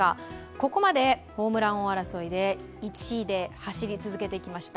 ここまでホームラン王争いで１位で走り続けてきました